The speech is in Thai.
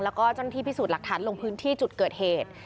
แล้วก็เจ้าหน้าที่พิสูจน์หลักฐานลงพื้นที่จุดเกิดเหตุ